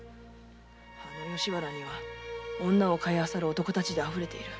この吉原には女を買いあさる男たちであふれている。